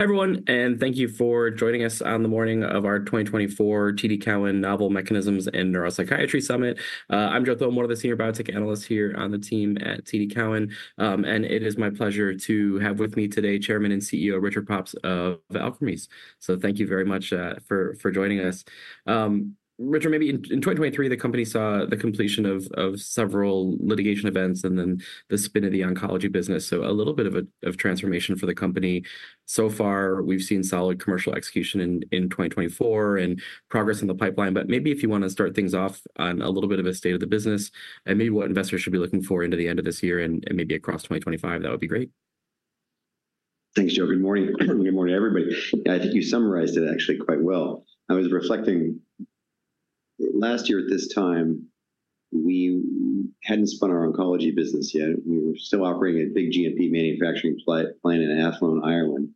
Everyone, and thank you for joining us on the morning of our 2024 TD Cowen Novel Mechanisms in Neuropsychiatry Summit. I'm Joe Thome, one of the senior biotech analysts here on the team at TD Cowen, and it is my pleasure to have with me today Chairman and CEO Richard Pops of Alkermes, so thank you very much for joining us. Richard, maybe in 2023, the company saw the completion of several litigation events and then the spin of the oncology business, so a little bit of a transformation for the company. So far, we've seen solid commercial execution in 2024 and progress in the pipeline, but maybe if you want to start things off on a little bit of a state of the business, and maybe what investors should be looking for into the end of this year and maybe across 2025, that would be great. Thanks, Joe. Good morning. Good morning, everybody. I think you summarized it actually quite well. I was reflecting, last year at this time, we hadn't spun our oncology business yet. We were still operating a big GMP manufacturing plant in Athlone, Ireland.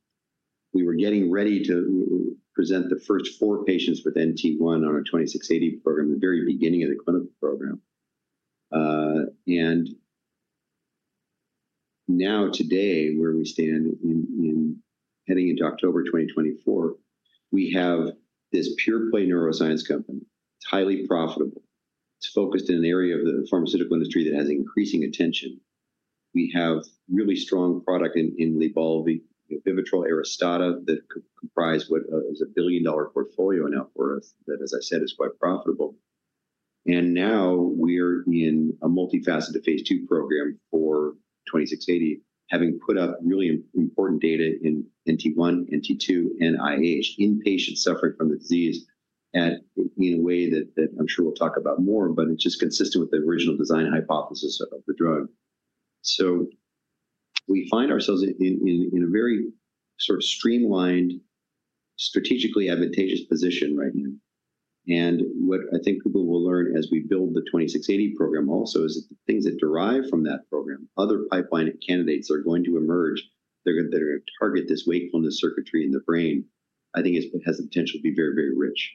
We were getting ready to present the first four patients with NT1 on our 2680, the very beginning of the clinical program. And now today, where we stand in heading into October 2024, we have this pure play neuroscience company. It's highly profitable. It's focused in an area of the pharmaceutical industry that has increasing attention. We have really strong product in LYBALVI, VIVITROL, ARISTADA, that comprise what is a billion-dollar portfolio in net worth, that, as I said, is quite profitable. Now we're in a multifaceted phase II program for 2680, having put up really important data in NT1, NT2, and IH, in patients suffering from the disease, and in a way that I'm sure we'll talk about more, but it's just consistent with the original design hypothesis of the drug. We find ourselves in a very sort of streamlined, strategically advantageous position right now. What I think people will learn as we build the 2680 program also is that the things that derive from that program, other pipeline candidates are going to emerge that are going to target this wakefulness circuitry in the brain. It has the potential to be very, very rich.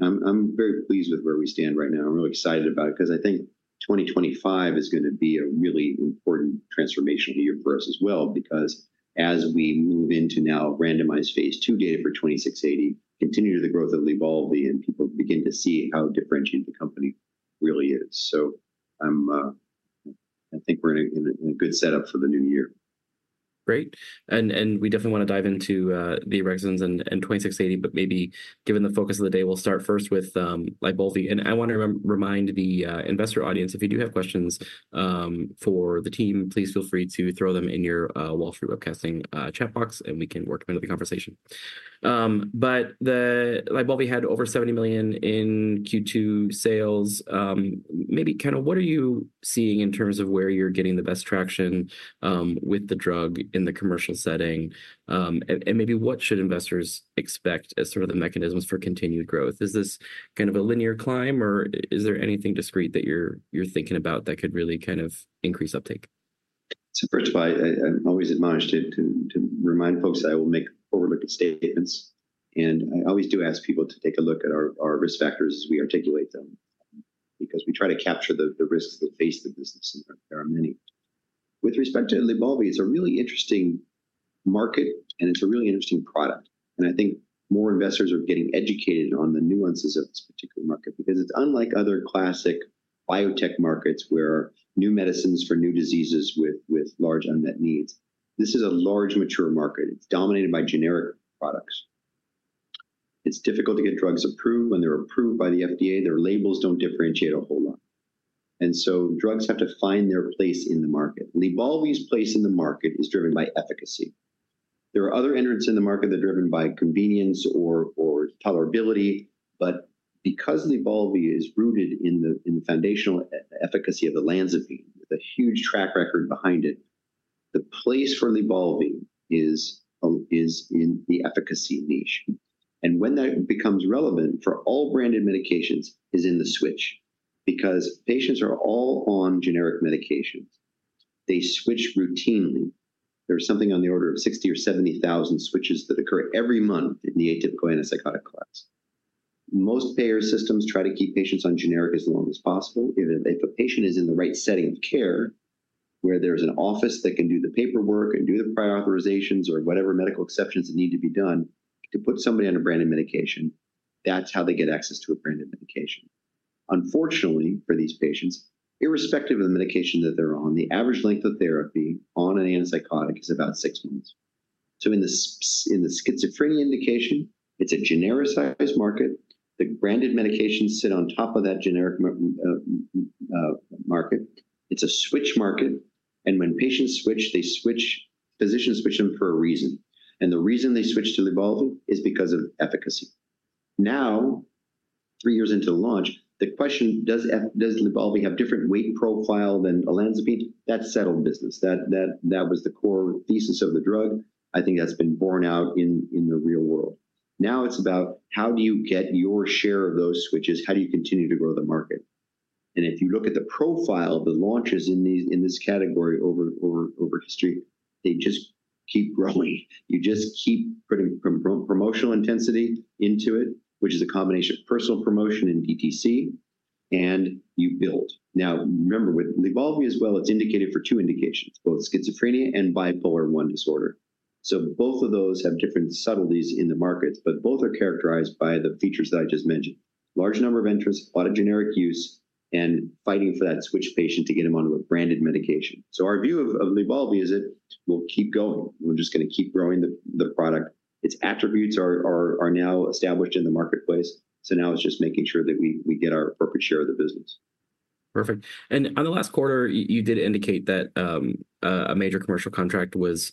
I'm very pleased with where we stand right now. I'm really excited about it, 'cause I think 2025 is gonna be a really important transformational year for us as well, because as we move into now randomized phase II data for 2680, continue the growth of LYBALVI, and people begin to see how differentiated the company really is. So I'm, I think we're in a good setup for the new year. Great. We definitely want to dive into the reasons and 2680, but maybe given the focus of the day, we'll start first with LYBALVI. I want to remind the investor audience, if you do have questions for the team, please feel free to throw them in your Wall Street Webcasting chat box, and we can work them into the conversation. But the Libvolsi had over $70 million in Q2 sales. Maybe kind of what are you seeing in terms of where you're getting the best traction with the drug in the commercial setting? And maybe what should investors expect as sort of the mechanisms for continued growth? Is this kind of a linear climb, or is there anything discrete that you're thinking about that could really kind of increase uptake? First of all, I always admonish to remind folks that I will make forward-looking statements, and I always do ask people to take a look at our risk factors as we articulate them, because we try to capture the risks that face the business, and there are many. With respect to LYBALVI, it is a really interesting market, and it is a really interesting product, and I think more investors are getting educated on the nuances of this particular market, because it is unlike other classic biotech markets where new medicines for new diseases with large unmet needs. This is a large, mature market. It is dominated by generic products. It is difficult to get drugs approved. When they are approved by the FDA, their labels do not differentiate a whole lot. And so drugs have to find their place in the market. LYBALVI's place in the market is driven by efficacy. There are other entrants in the market that are driven by convenience or tolerability, but because LYBALVI is rooted in the foundational efficacy of olanzapine, with a huge track record behind it, the place for LYBALVI is in the efficacy niche. When that becomes relevant for all branded medications is in the switch, because patients are all on generic medications. They switch routinely. There's something on the order of 60 or 70 thousand switches that occur every month in the atypical antipsychotic class. Most payer systems try to keep patients on generic as long as possible. If a patient is in the right setting of care, where there's an office that can do the paperwork and do the prior authorizations or whatever medical exceptions need to be done to put somebody on a branded medication, that's how they get access to a branded medication. Unfortunately, for these patients, irrespective of the medication that they're on, the average length of therapy on an antipsychotic is about six months. In the schizophrenia indication, it's a genericized market. The branded medications sit on top of that generic market. It's a switch market, and when patients switch, physicians switch them for a reason. The reason they switch to LYBALVI is because of efficacy. Now, three years into the launch, the question: Does LYBALVI have different weight profile than olanzapine? That's settled business. That was the core thesis of the drug. I think that's been borne out in the real world. Now it's about how do you get your share of those switches? How do you continue to grow the market? And if you look at the profile of the launches in this category over history, they just keep growing. You just keep putting promotional intensity into it, which is a combination of personal promotion and DTC and you build. Now, remember, with LYBALVI as well, it's indicated for two indications, both schizophrenia and bipolar I disorder. So both of those have different subtleties in the markets, but both are characterized by the features that I just mentioned: large number of entrants, a lot of generic use, and fighting for that switch patient to get them onto a branded medication. So our view of LYBALVI is that we'll keep going. We're just gonna keep growing the product. Its attributes are now established in the marketplace, so now it's just making sure that we get our appropriate share of the business. Perfect. And on the last quarter, you did indicate that a major commercial contract was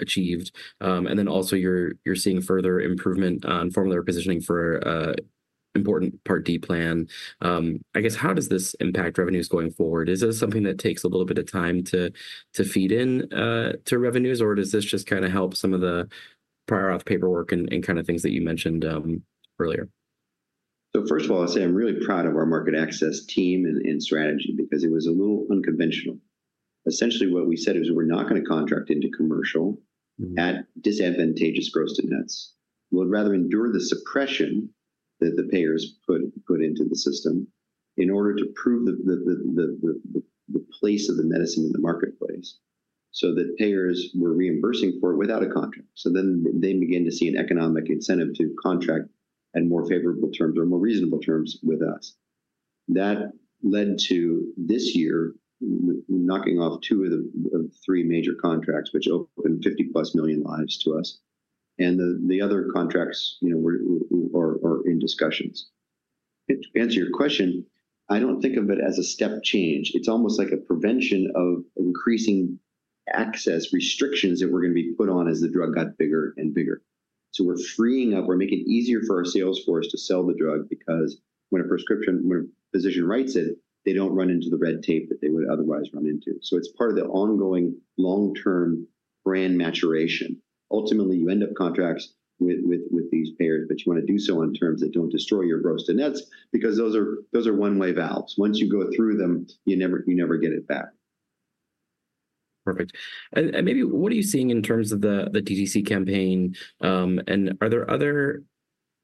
achieved. And then also, you're seeing further improvement on formulary positioning for important Part D plan. I guess, how does this impact revenues going forward? Is this something that takes a little bit of time to feed in to revenues, or does this just kind of help some of the prior auth paperwork and kind of things that you mentioned earlier? So first of all, I'd say I'm really proud of our market access team and strategy because it was a little unconventional. Essentially, what we said is we're not gonna contract into commercial at disadvantageous gross to nets. We'd rather endure the suppression that the payers put into the system in order to prove the place of the medicine in the marketplace, so that payers were reimbursing for it without a contract. So then they begin to see an economic incentive to contract at more favorable terms or more reasonable terms with us. That led to this year, knocking off two of the three major contracts, which opened fifty-plus million lives to us, and the other contracts, you know, we're in discussions. To answer your question, I don't think of it as a step change. It's almost like a prevention of increasing access restrictions that were gonna be put on as the drug got bigger and bigger. We're freeing up, we're making it easier for our sales force to sell the drug because when a prescription, when a physician writes it, they don't run into the red tape that they would otherwise run into. It's part of the ongoing long-term brand maturation. Ultimately, you end up contracts with these payers, but you want to do so on terms that don't destroy your gross to nets because those are one-way valves. Once you go through them, you never get it back. Perfect. And maybe what are you seeing in terms of the DTC campaign, and are there other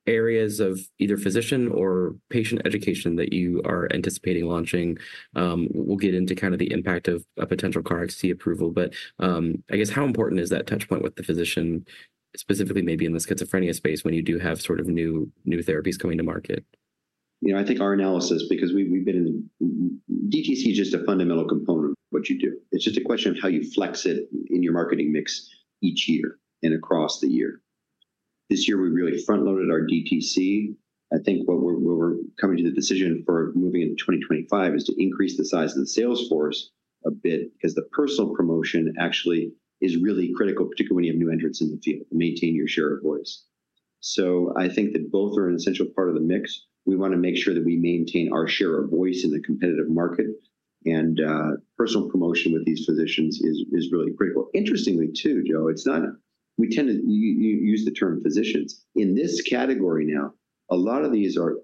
areas of either physician or patient education that you are anticipating launching? We'll get into kind of the impact of a potential KarXT approval, but I guess how important is that touchpoint with the physician, specifically maybe in the schizophrenia space, when you do have sort of new therapies coming to market? You know, I think our analysis. DTC is just a fundamental component of what you do. It's just a question of how you flex it in your marketing mix each year and across the year. This year, we really front-loaded our DTC. I think what we're coming to the decision for moving into 2025 is to increase the size of the sales force a bit, because the personal promotion actually is really critical, particularly when you have new entrants in the field, to maintain your share of voice. So I think that both are an essential part of the mix. We want to make sure that we maintain our share of voice in the competitive market, and personal promotion with these physicians is really critical. Interestingly, too, Joe, it's not. We tend to use the term physicians. In this category now, a lot of these are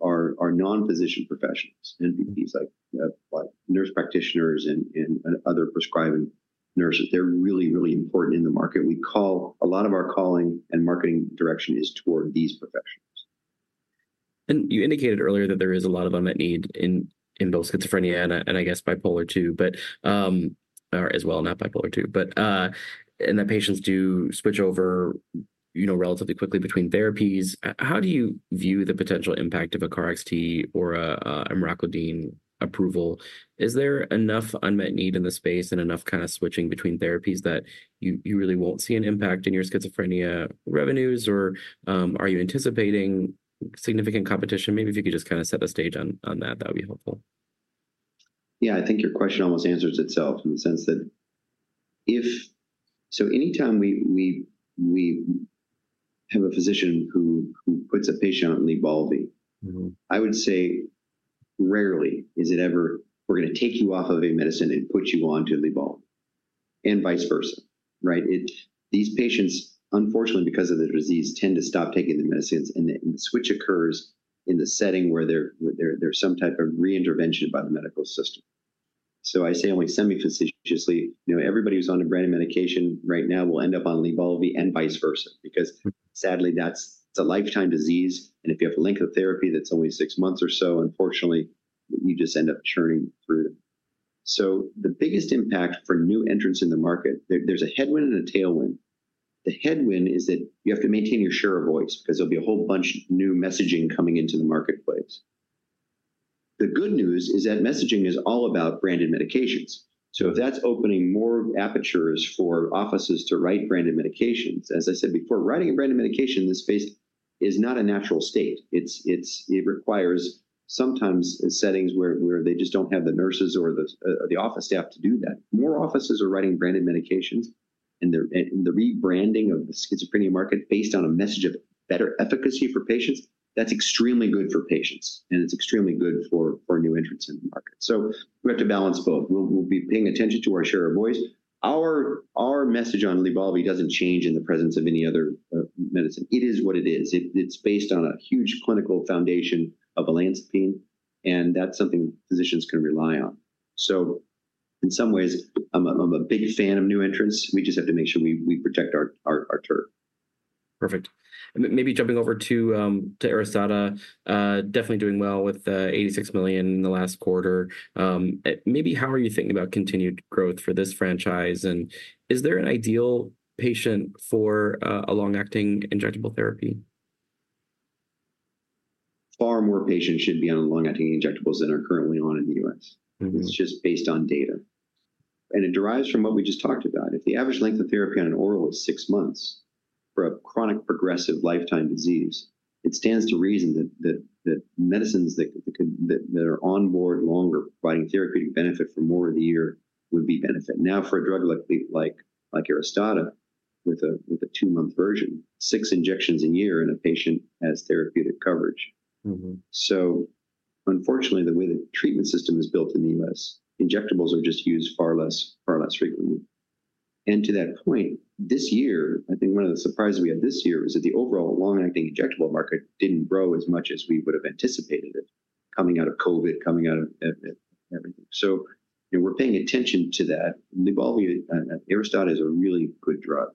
non-physician professionals, NPPs, like nurse practitioners and other prescribing nurses. They're really, really important in the market. We call, a lot of our calling and marketing direction is toward these professionals. And you indicated earlier that there is a lot of unmet need in both schizophrenia and I guess bipolar two, but or as well, not bipolar two. But, and that patients do switch over, you know, relatively quickly between therapies. How do you view the potential impact of a KarXT or a emraclidine approval? Is there enough unmet need in the space and enough kind of switching between therapies that you really won't see an impact in your schizophrenia revenues, or are you anticipating significant competition? Maybe if you could just kind of set the stage on that, that would be helpful. Yeah, I think your question almost answers itself in the sense that if... So anytime we have a physician who puts a patient on LYBALVI. I would say rarely is it ever, "We're gonna take you off of a medicine and put you onto LYBALVI," and vice versa, right? These patients, unfortunately, because of the disease, tend to stop taking the medicines, and the switch occurs in the setting where there's some type of re-intervention by the medical system. So I say only semi-facetiously, you know, everybody who's on a branded medication right now will end up on LYBALVI and vice versa. Because sadly, that's it, it's a lifetime disease, and if you have a length of therapy that's only six months or so, unfortunately, you just end up churning through. So the biggest impact for new entrants in the market, there's a headwind and a tailwind. The headwind is that you have to maintain your share of voice because there'll be a whole bunch of new messaging coming into the marketplace. The good news is that messaging is all about branded medications, so that's opening more apertures for offices to write branded medications. As I said before, writing a branded medication in this space is not a natural state. It requires sometimes in settings where they just don't have the nurses or the staff or the office staff to do that. More offices are writing branded medications, and the rebranding of the schizophrenia market based on a message of better efficacy for patients, that's extremely good for patients, and it's extremely good for new entrants in the market. So we have to balance both. We'll be paying attention to our share of voice. Our message on LYBALVI doesn't change in the presence of any other medicine. It is what it is. It's based on a huge clinical foundation of olanzapine, and that's something physicians can rely on. So in some ways, I'm a big fan of new entrants. We just have to make sure we protect our turf. Perfect. And maybe jumping over to ARISTADA, definitely doing well with $86 million in the last quarter. Maybe how are you thinking about continued growth for this franchise? And is there an ideal patient for a long-acting injectable therapy? Far more patients should be on long-acting injectables than are currently on in the U.S. It's just based on data, and it derives from what we just talked about. If the average length of therapy on an oral is six months for a chronic progressive lifetime disease, it stands to reason that medicines that could, that are on board longer, providing therapeutic benefit for more of the year would be benefit. Now, for a drug like ARISTADA, with a two-month version, six injections a year in a patient has therapeutic coverage. Unfortunately, the way the treatment system is built in the U.S., injectables are just used far less, far less frequently. To that point, this year, I think one of the surprises we had this year was that the overall long-acting injectable market didn't grow as much as we would have anticipated it, coming out of COVID, coming out of everything, and we're paying attention to that. LYBALVI, ARISTADA is a really good drug,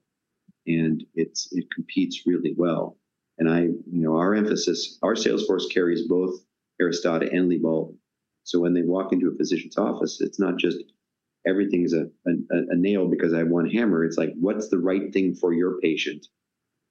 and it competes really well. I, you know, our emphasis, our sales force carries both ARISTADA and LYBALVI, so when they walk into a physician's office, it's not just everything is a nail because I have one hammer. It's like, what's the right thing for your patient,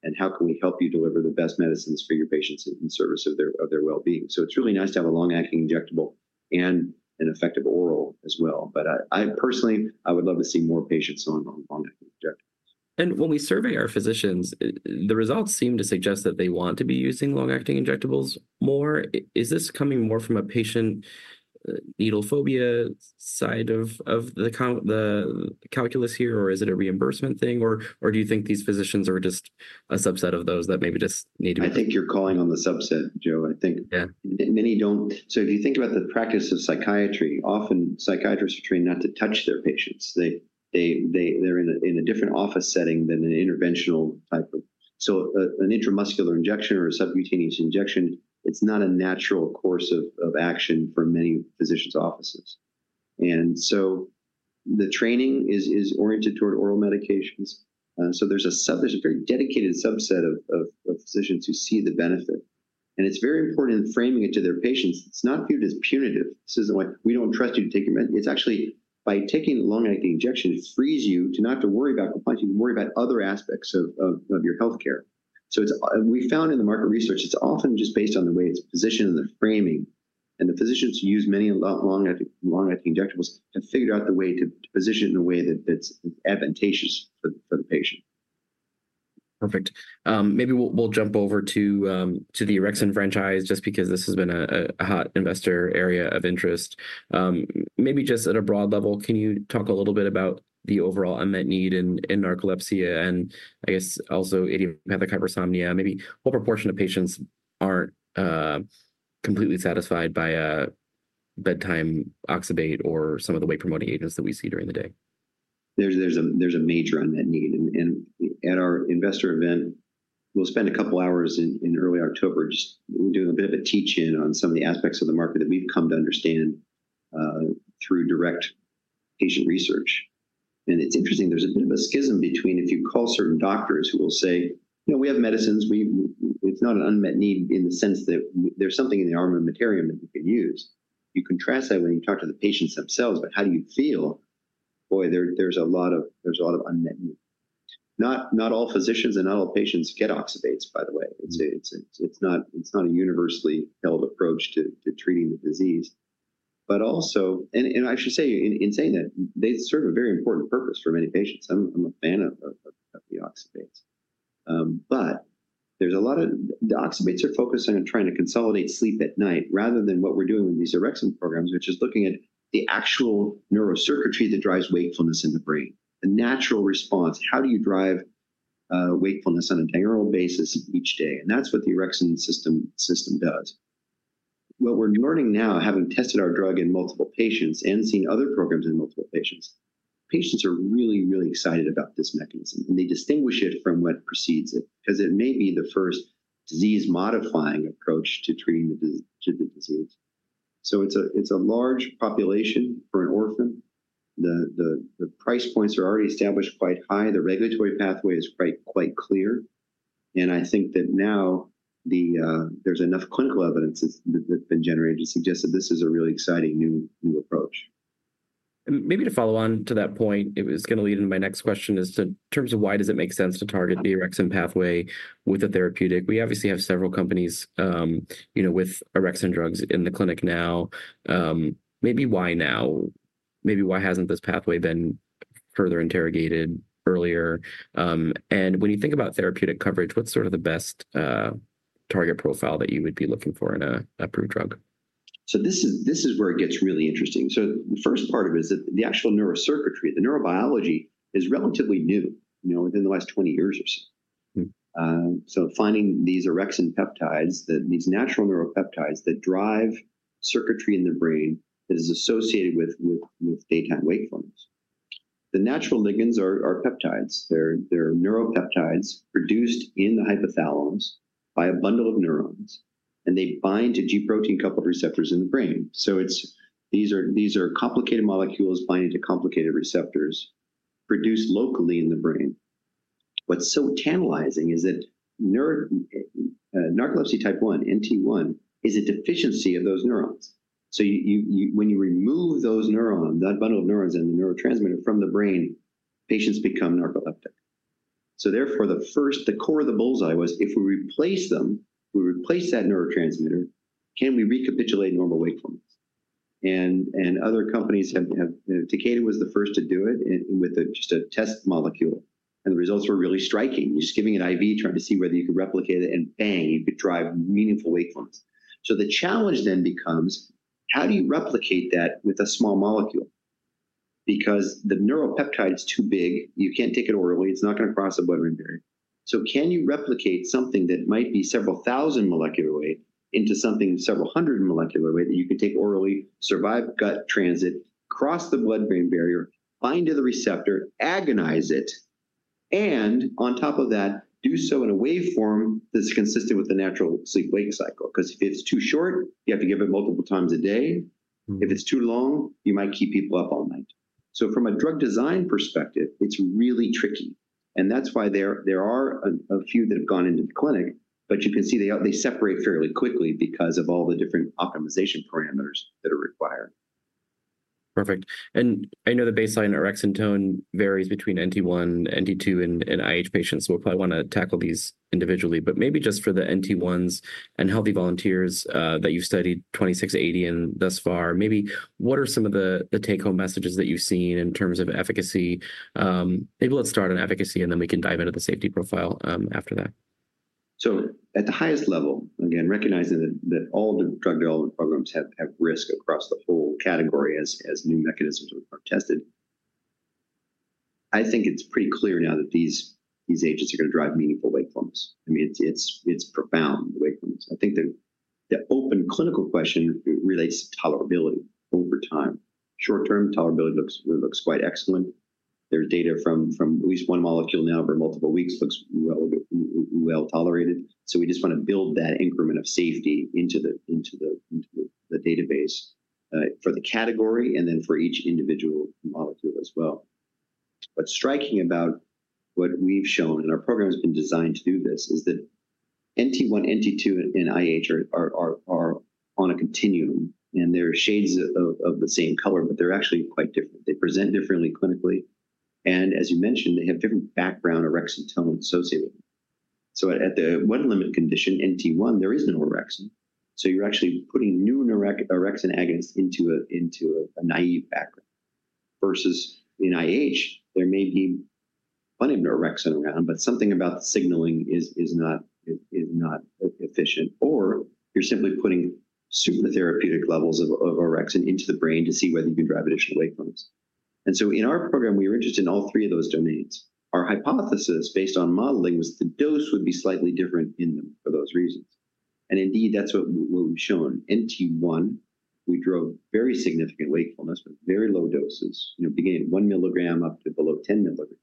and how can we help you deliver the best medicines for your patients in service of their, of their well-being? So it's really nice to have a long-acting injectable and an effective oral as well. But I personally, I would love to see more patients on long-acting injectables. When we survey our physicians, the results seem to suggest that they want to be using long-acting injectables more. Is this coming more from a patient needle phobia side of the calculus here, or is it a reimbursement thing, or do you think these physicians are just a subset of those that maybe just need to be- I think you're calling on the subset, Joe. I think- Yeah Many don't. So if you think about the practice of psychiatry, often psychiatrists are trained not to touch their patients. They're in a different office setting than an interventional type. So an intramuscular injection or a subcutaneous injection, it's not a natural course of action for many physicians' offices. And so the training is oriented toward oral medications, so there's a very dedicated subset of physicians who see the benefit, and it's very important in framing it to their patients, it's not viewed as punitive. This isn't like, "We don't trust you to take your medicine." It's actually, by taking the long-acting injection, it frees you to not have to worry about compliance, you can worry about other aspects of your healthcare. So, it's we found in the market research, it's often just based on the way it's positioned and the framing, and the physicians who use many long-acting injectables have figured out the way to position it in a way that it's advantageous for the patient. Perfect. Maybe we'll jump over to the orexin franchise, just because this has been a hot investor area of interest. Maybe just at a broad level, can you talk a little bit about the overall unmet need in narcolepsy and I guess also idiopathic hypersomnia? Maybe what proportion of patients aren't completely satisfied by a bedtime oxybate or some of the wake-promoting agents that we see during the day? There's a major unmet need, and at our investor event, we'll spend a couple of hours in early October just doing a bit of a teach-in on some of the aspects of the market that we've come to understand through direct patient research. And it's interesting, there's a bit of a schism between if you call certain doctors who will say: "You know, we have medicines, we... It's not an unmet need in the sense that there's something in the armamentarium that we can use." You contrast that when you talk to the patients themselves, about how do you feel? Boy, there's a lot of unmet need. Not all physicians and not all patients get oxybates, by the way. It's not a universally held approach to treating the disease. But also, and I should say, in saying that, they serve a very important purpose for many patients. I'm a fan of the oxybates. But there's a lot of the oxybates are focusing on trying to consolidate sleep at night, rather than what we're doing with these orexin programs, which is looking at the actual neurocircuitry that drives wakefulness in the brain. The natural response, how do you drive wakefulness on a diurnal basis each day? And that's what the orexin system does. What we're learning now, having tested our drug in multiple patients and seen other programs in multiple patients, patients are really, really excited about this mechanism, and they distinguish it from what precedes it, 'cause it may be the first disease-modifying approach to treating the disease. So it's a large population for an orphan. The price points are already established quite high. The regulatory pathway is quite, quite clear, and I think that now there's enough clinical evidence that's been generated to suggest that this is a really exciting new, new approach. And maybe to follow on to that point, it was gonna lead into my next question, is in terms of why does it make sense to target the orexin pathway with a therapeutic? We obviously have several companies, you know, with orexin drugs in the clinic now. Maybe why now? Maybe why hasn't this pathway been further interrogated earlier? And when you think about therapeutic coverage, what's sort of the best, target profile that you would be looking for in a approved drug? So this is where it gets really interesting. So the first part of it is that the actual neurocircuitry, the neurobiology is relatively new, you know, within the last 20 years or so. So finding these orexin peptides, that these natural neuropeptides that drive circuitry in the brain, that is associated with daytime wakefulness. The natural ligands are peptides. They're neuropeptides produced in the hypothalamus by a bundle of neurons and they bind to G protein-coupled receptors in the brain. So it's these are complicated molecules binding to complicated receptors produced locally in the brain. What's so tantalizing is that in narcolepsy type one, NT1, is a deficiency of those neurons. So you, when you remove those neurons, that bundle of neurons and the neurotransmitter from the brain, patients become narcoleptic. So therefore, the first, the core of the bull's-eye was, if we replace them, we replace that neurotransmitter, can we recapitulate normal wakefulness? And other companies have. Takeda was the first to do it with just a test molecule, and the results were really striking. Just giving an IV, trying to see whether you could replicate it, and bang, you could drive meaningful wakefulness. So the challenge then becomes: how do you replicate that with a small molecule? Because the neuropeptide's too big, you can't take it orally, it's not gonna cross the blood-brain barrier. So can you replicate something that might be several thousand molecular weight into something several hundred in molecular weight, that you could take orally, survive gut transit, cross the blood-brain barrier, bind to the receptor, agonize it, and on top of that, do so in a waveform that's consistent with the natural sleep-wake cycle? 'Cause if it's too short, you have to give it multiple times a day. If it's too long, you might keep people up all night. So from a drug design perspective, it's really tricky, and that's why there are a few that have gone into the clinic, but you can see they separate fairly quickly because of all the different optimization parameters that are required. Perfect. And I know the baseline orexin tone varies between NT1, NT2, and IH patients, so we'll probably want to tackle these individually. But maybe just for the NT1s and healthy volunteers that you've studied 2680 and thus far, maybe what are some of the take-home messages that you've seen in terms of efficacy? Maybe let's start on efficacy, and then we can dive into the safety profile after that. So at the highest level, again, recognizing that all the drug development programs have risk across the whole category as new mechanisms are tested. I think it's pretty clear now that these agents are gonna drive meaningful wakefulness. I mean, it's profound, the wakefulness. I think the open clinical question relates to tolerability over time. Short-term, tolerability looks quite excellent. There's data from at least one molecule now over multiple weeks, looks well tolerated. So we just want to build that increment of safety into the database for the category and then for each individual molecule as well. What's striking about what we've shown, and our program has been designed to do this, is that NT1, NT2, and IH are on a continuum, and they're shades of the same color, but they're actually quite different. They present differently clinically, and as you mentioned, they have different background orexin tone associated with them. So at the one limit condition, NT1, there is no orexin, so you're actually putting new orexin, orexin agonists into a naive background. Versus in IH, there may be plenty of orexin around, but something about the signaling is not efficient, or you're simply putting supratherapeutic levels of orexin into the brain to see whether you can drive additional wakefulness. And so in our program, we were interested in all three of those domains. Our hypothesis, based on modeling, was the dose would be slightly different in them for those reasons, and indeed, that's what we, we've shown. NT1, we drove very significant wakefulness with very low doses, you know, beginning at 1 milligram up to below 10 milligrams,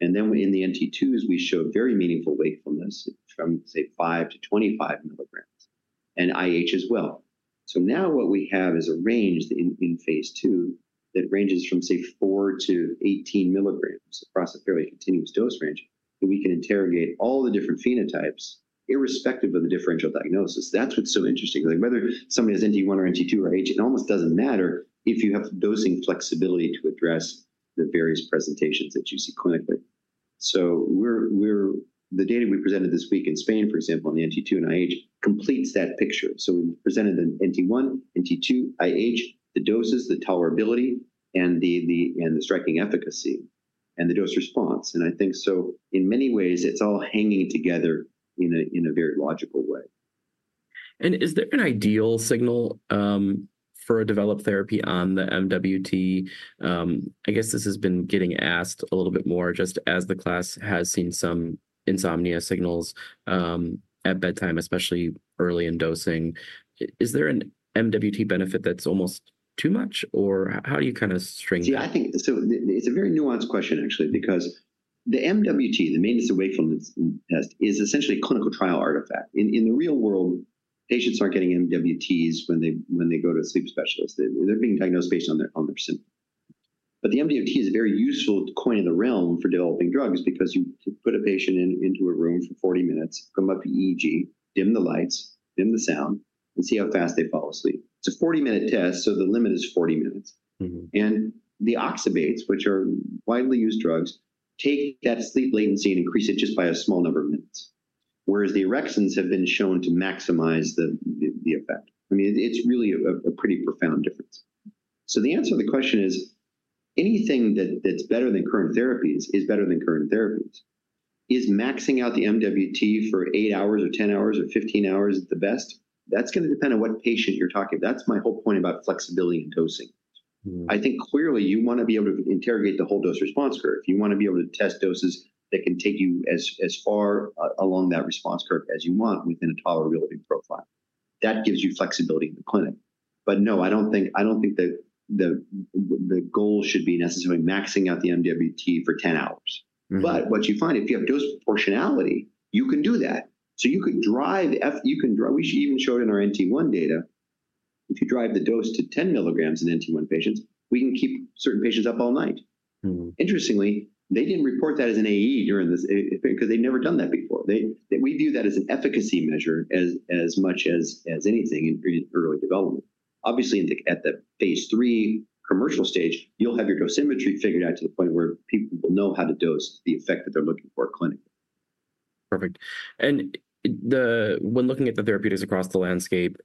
and then in the NT2s, we showed very meaningful wakefulness from, say, 5-25 milligrams, and IH as well, so now what we have is a range in phase II, that ranges from, say, 4-18 milligrams across a fairly continuous dose range, that we can interrogate all the different phenotypes, irrespective of the differential diagnosis. That's what's so interesting, like, whether somebody has NT1 or NT2 or IH, it almost doesn't matter if you have dosing flexibility to address the various presentations that you see clinically. So we're the data we presented this week in Spain, for example, on the NT2 and IH, completes that picture. So we presented an NT1, NT2, IH, the doses, the tolerability, and the striking efficacy, and the dose response, and I think so in many ways, it's all hanging together in a very logical way. Is there an ideal signal for a developed therapy on the MWT? I guess this has been getting asked a little bit more, just as the class has seen some insomnia signals at bedtime, especially early in dosing. Is there an MWT benefit that's almost too much, or how do you kind of string that? See, I think it's a very nuanced question, actually, because the MWT, the Maintenance of Wakefulness Test, is essentially a clinical trial artifact. In the real world, patients aren't getting MWTs when they go to a sleep specialist. They're being diagnosed based on their symptoms. But the MWT is a very useful coin of the realm for developing drugs, because you put a patient into a room for 40 minutes, hook 'em up to EEG, dim the lights, dim the sound, and see how fast they fall asleep. It's a 40-minute test, so the limit is 40 minutes. And the oxybates, which are widely used drugs, take that sleep latency and increase it just by a small number of minutes. Whereas the orexins have been shown to maximize the effect. I mean, it's really a pretty profound difference. So the answer to the question is, anything that's better than current therapies is better than current therapies. Is maxing out the MWT for eight hours or 10 hours or 15 hours the best? That's gonna depend on what patient you're talking. That's my whole point about flexibility in dosing. I think clearly you want to be able to interrogate the whole dose response curve. You want to be able to test doses that can take you as far along that response curve as you want within a tolerability profile. That gives you flexibility in the clinic. But no, I don't think that the goal should be necessarily maxing out the MWT for ten hours. What you find, if you have dose proportionality, you can do that. You can drive. We even showed in our NT1 data, if you drive the dose to 10 milligrams in NT1 patients, we can keep certain patients up all night. Interestingly, they didn't report that as an AE during this, because they'd never done that before. We view that as an efficacy measure as much as anything in pre, early development. Obviously, at the phase III commercial stage, you'll have your dosimetry figured out to the point where people will know how to dose the effect that they're looking for clinically. Perfect. And the, when looking at the therapeutics across the landscape,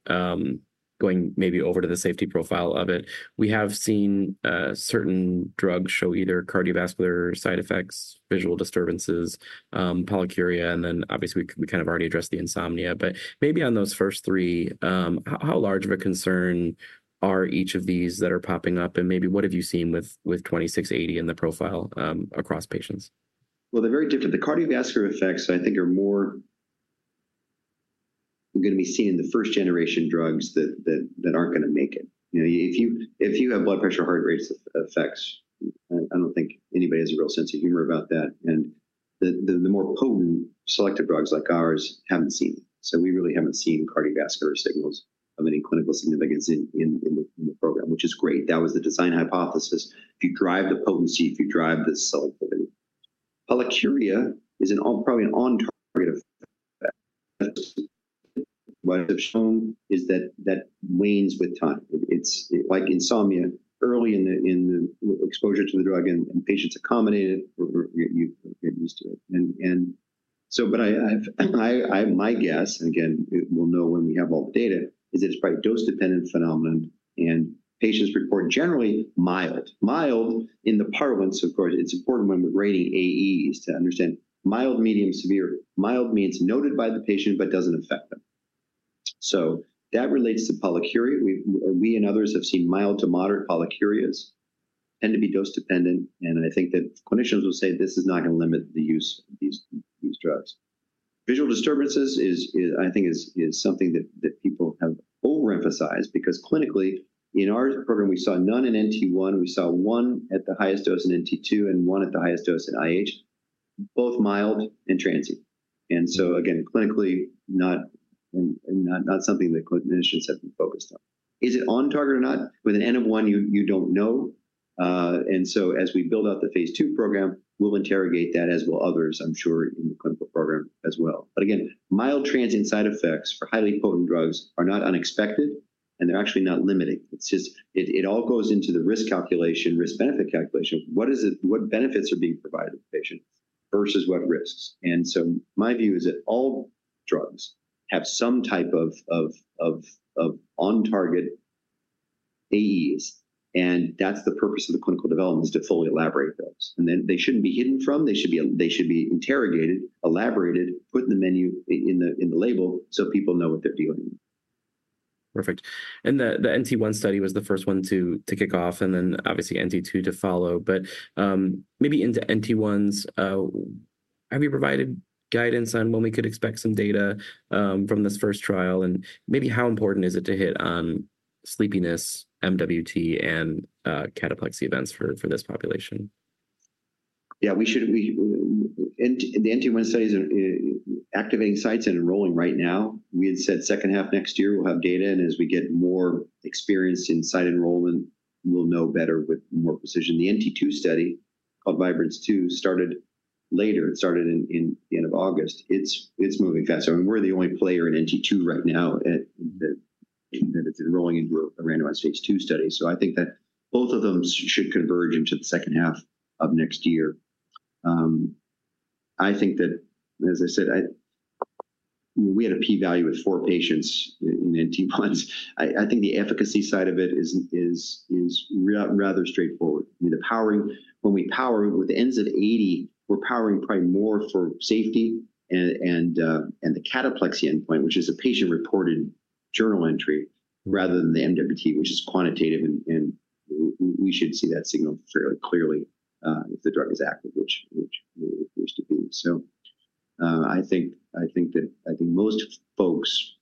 going maybe over to the safety profile of it, we have seen, certain drugs show either cardiovascular side effects, visual disturbances, polyuria, and then obviously, we kind of already addressed the insomnia. But maybe on those first three, how large of a concern are each of these that are popping up? And maybe what have you seen with 2680 and the profile, across patients? They're very different. The cardiovascular effects, I think, are more we're gonna be seeing in the first-generation drugs that aren't gonna make it. You know, if you have blood pressure, heart rate effects, I don't think anybody has a real sense of humor about that, and the more potent selective drugs like ours haven't seen. So we really haven't seen cardiovascular signals of any clinical significance in the program, which is great. That was the design hypothesis. If you drive the potency, if you drive the selectivity. Polyuria is probably an on-target effect. What I've shown is that wanes with time. It's like insomnia early in the exposure to the drug and patients accommodate it, or you get used to it. And so but I've my guess, again, we'll know when we have all the data, is it's probably a dose-dependent phenomenon, and patients report generally mild. Mild in the parlance, of course, it's important when we're grading AEs to understand mild, medium, severe. Mild means noted by the patient but doesn't affect them. So that relates to polyuria. We and others have seen mild to moderate polyurias tend to be dose dependent, and I think that clinicians will say this is not gonna limit the use of these drugs. Visual disturbances is, I think, something that people have overemphasized because clinically, in our program, we saw none in NT1. We saw one at the highest dose in NT2 and one at the highest dose in IH, both mild and transient. And so again, clinically, not something that clinicians have been focused on. Is it on target or not? With an N of one, you don't know. And so as we build out the phase II program, we'll interrogate that, as will others, I'm sure, in the clinical program as well. But again, mild transient side effects for highly potent drugs are not unexpected, and they're actually not limiting. It's just, it all goes into the risk calculation, risk-benefit calculation. What is it? What benefits are being provided to the patient versus what risks? And so my view is that all drugs have some type of on-target AEs, and that's the purpose of the clinical development, is to fully elaborate those. And then they shouldn't be hidden from, they should be interrogated, elaborated, put in the menu, in the label, so people know what they're dealing with. Perfect. And the NT1 study was the first one to kick off, and then obviously NT2 to follow. But maybe into NT1's have you provided guidance on when we could expect some data from this first trial? And maybe how important is it to hit on sleepiness, MWT, and cataplexy events for this population? Yeah, we should. In the NT- studies are activating sites and enrolling right now. We had said second half next year, we'll have data, and as we get more experience in site enrollment, we'll know better with more precision. The NT2 study, called Vibrance-2, started later. It started in the end of August. It's moving faster, and we're the only player in NT2 right now that it's enrolling into a randomized phase II study. So I think that both of those should converge into the second half of next year. I think that, as I said, we had a p-value of four patients in NT1. I think the efficacy side of it is rather straightforward. I mean, the powering, when we power with the 2680, we're powering probably more for safety and the cataplexy endpoint, which is a patient-reported journal entry, rather than the MWT, which is quantitative, and we should see that signal fairly clearly, if the drug is active, which it appears to be. So, I think most folks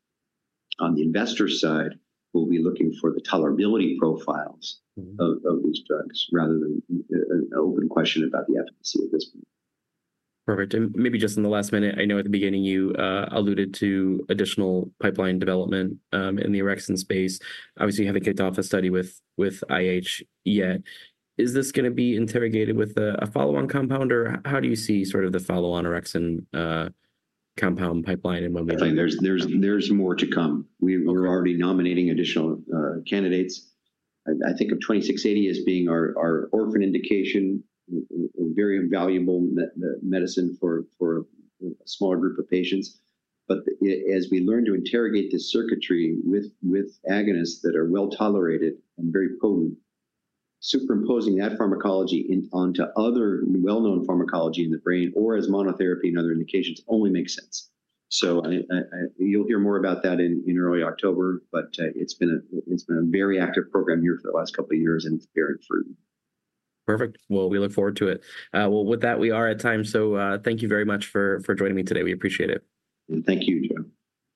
on the investor side will be looking for the tolerability profiles of these drugs, rather than an open question about the efficacy at this point. Perfect. And maybe just in the last minute, I know at the beginning you alluded to additional pipeline development in the orexin space. Obviously, you haven't kicked off a study with IH yet. Is this gonna be interrogated with a follow-on compound, or how do you see sort of the follow-on orexin compound pipeline and when we- I think there's more to come. Okay. We're already nominating additional candidates. I think of 2680 as being our orphan indication, very invaluable medicine for a smaller group of patients. But as we learn to interrogate this circuitry with agonists that are well-tolerated and very potent, superimposing that pharmacology onto other well-known pharmacology in the brain or as monotherapy in other indications only makes sense. So, you'll hear more about that in early October, but it's been a very active program here for the last couple of years, and it's bearing fruit. Perfect. Well, we look forward to it. Well, with that, we are at time, so, thank you very much for joining me today. We appreciate it. Thank you, Joe.